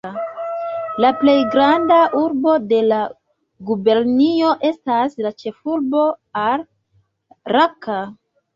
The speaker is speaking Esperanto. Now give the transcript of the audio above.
La plej granda urbo de la gubernio estas la ĉefurbo Ar-Raka.